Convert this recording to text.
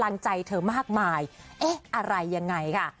กำลังใจเธอมากมายเอ๊ะอะไรยังไงค่ะ